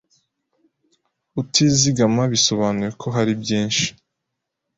utizigama bisobanuye ko hari byinshi